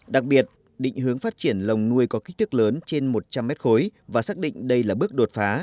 đặc biệt định hướng phát triển lồng nuôi có kích thước lớn trên một trăm linh m khối và xác định đây là bước đột phá